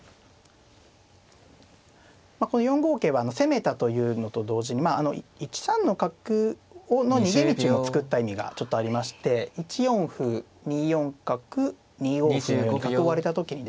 この４五桂は攻めたというのと同時に１三の角の逃げ道も作った意味がちょっとありまして１四歩２四角２五歩のように角を追われた時にですね